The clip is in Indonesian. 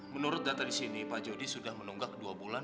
menurut data di sini pak jody sudah menunggak dua bulan